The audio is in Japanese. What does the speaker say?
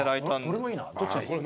これもいいなどっちがいい？